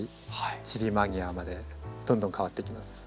散り間際までどんどん変わってきます。